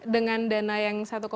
dengan dana yang